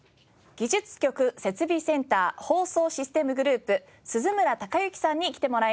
技術局設備センター放送システムグループ鈴村高幸さんに来てもらいました。